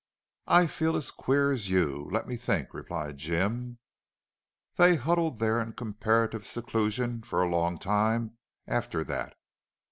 "I feel as queer as you. Let me think," replied Jim. They huddled there in comparative seclusion for a long time after that.